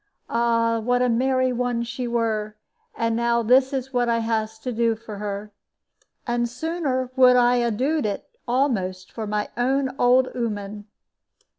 Ah, what a merry one she were! And now this is what I has to do for her! And sooner would I 'a doed it a'most for my own old ooman!"